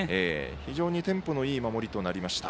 非常にテンポのいい守りとなりました。